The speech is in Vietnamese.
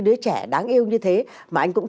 đứa trẻ đáng yêu như thế mà anh cũng